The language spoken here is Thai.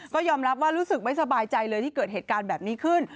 ก็ยอมรับว่ารู้สึกไม่สบายใจเลยที่เกิดเหตุการณ์แบบนี้ขึ้น